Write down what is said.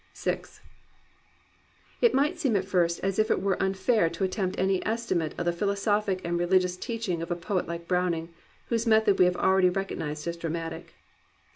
VI It might seem at first as if it were unfair to at tempt any estimate of the philosophic and religious teaching of a poet Kke Browning, whose method we have already recognized as dramatic.